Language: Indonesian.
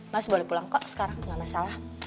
mas boleh pulang kok sekarang nggak masalah